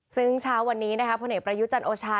ซึ่งเช้าวันนี้นะครับพระเนตรประยุจรรย์โอชา